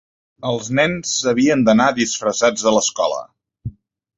Els nens havien d'anar disfressats a l'escola.